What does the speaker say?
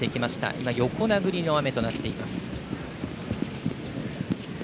今、横なぐりの雨となっています。